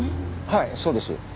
はいそうです。